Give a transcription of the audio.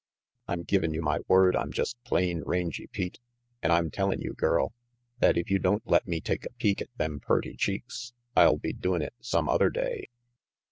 "I'm givin' you my word I'm just plain Rangy Pete, and I'm tellin' you, girl, that if you don't let me take a peek at them purty cheeks, I'll be doing it some other day."